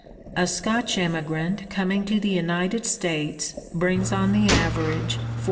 A Scotch emigrant coming to the United States brings on the average $41.